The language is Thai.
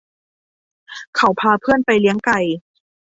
เขาพาเพื่อนไปเลี้ยงไก่